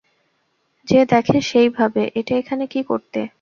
যে দেখে সেই ভাবে, এটা এখানে কী করতে!